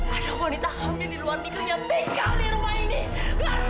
ada wanita hamil di luar nikah yang tinggal di rumah ini